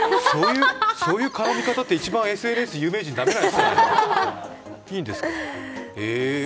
そういう絡み方って一番ＳＮＳ、有名人駄目じゃないの？